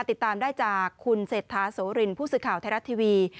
ติดตามได้จากคุณเศรษฐาโสรินผู้สื่อข่าวไทยรัฐทีวี